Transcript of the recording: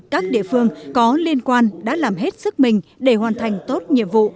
các địa phương có liên quan đã làm hết sức mình để hoàn thành tốt nhiệm vụ